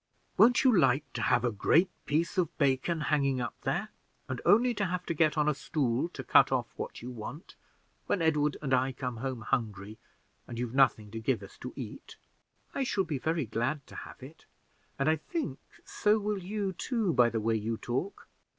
Won't you like to have a great piece of bacon hanging up there, and only to have to get on a stool to cut off what you want, when Edward and I come home hungry, and you've nothing to give us to eat?" "I shall be very glad to have it, and I think so will you too, by the way you talk."